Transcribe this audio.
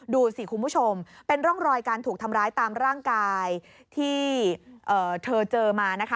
ดูสิคุณผู้ชมเป็นร่องรอยการถูกทำร้ายตามร่างกายที่เธอเจอมานะคะ